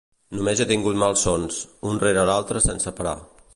Només he tingut malsons, un rere l'altre sense parar.